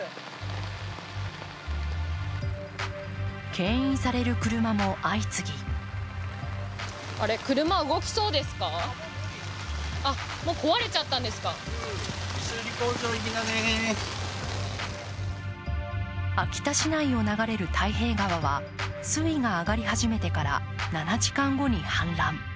けん引される車も相次ぎ秋田市内を流れる太平川は水位が上がり始めてから７時間後に氾濫。